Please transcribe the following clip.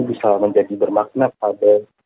bisa menjadi bermakna pada